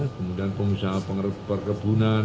kemudian pengusaha perkebunan